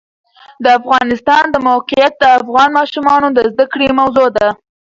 د افغانستان د موقعیت د افغان ماشومانو د زده کړې موضوع ده.